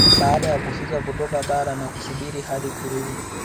Baada ya kufika kutoka bara na kusubiri hadi kurudi